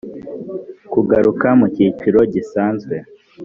kugaruka mu cyiciro gisanzwe